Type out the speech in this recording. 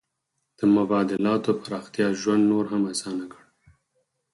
د مبادلاتو پراختیا ژوند نور هم اسانه کړ.